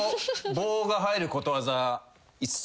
「棒」が入ることわざ５つ。